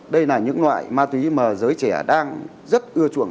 đây là những loại ma túy mà giới trẻ đang rất ưa chuộng